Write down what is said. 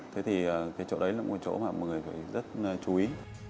thế thì cái chỗ đấy là một chỗ mà mọi người phải rất chú ý